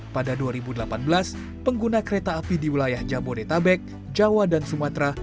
pada dua ribu delapan belas pengguna kereta api di wilayah jabodetabek jawa dan sumatera